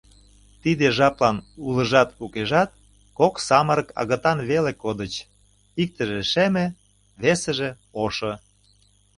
Тиде жаплан улыжат-укежат кок самырык агытан веле кодыч, иктыже шеме, весыже — ошо.